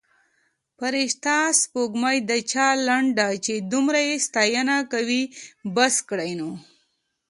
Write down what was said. فرسته سپوړمۍ د چا لنډه چې دمره یې ستاینه یې کوي بس کړﺉ نو